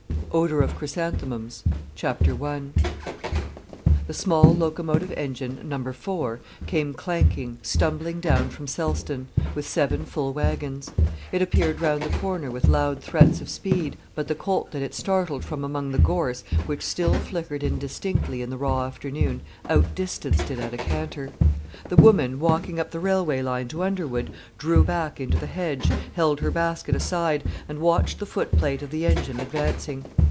Odour of Chrysanthemums I The small locomotive engine, Number 4, came clanking, stumbling down from Selston with seven full waggons. It appeared round the corner with loud threats of speed, but the colt that it startled from among the gorse, which still flickered indistinctly in the raw afternoon, outdistanced it at a canter. A woman, walking up the railway line to Underwood, drew back into the hedge, held her basket aside, and watched the footplate of the engine advancing.